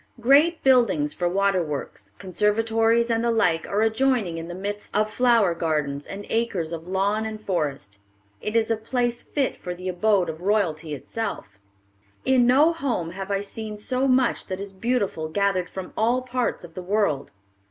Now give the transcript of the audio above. Great buildings for waterworks, conservatories, and the like, are adjoining, in the midst of flower gardens and acres of lawn and forest. It is a place fit for the abode of royalty itself. In no home have I seen so much that is beautiful gathered from all parts of the world.